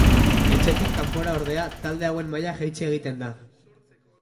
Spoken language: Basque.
Etxetik kanpora, ordea, talde hauen maila jaitsi egiten da.